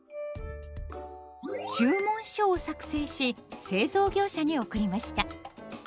「注文書」を作成し製造業者に送りました。